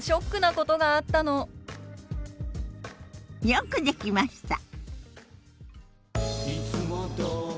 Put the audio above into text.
よくできました。